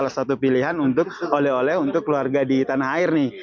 salah satu pilihan untuk oleh oleh untuk keluarga di tanah air nih